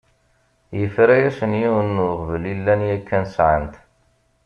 Yefra-asen yiwen n uɣbel i llan yakan sεan-t.